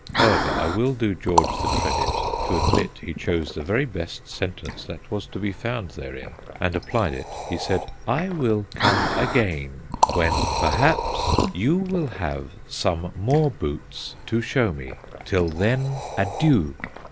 However, I will do George the credit to admit he chose the very best sentence that was to be found therein and applied it. He said:. "I will come again, when, perhaps, you will have some more boots to show me. Till then, adieu!"